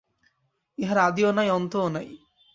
ইহার আদিও নাই, অন্তও নাই।